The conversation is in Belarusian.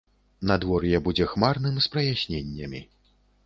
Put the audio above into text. Надвор'е будзе хмарным з праясненнямі.